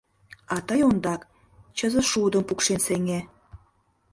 — А тый ондак чызышудым пукшен сеҥе!